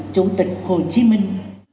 chủ tịch hồ chí minh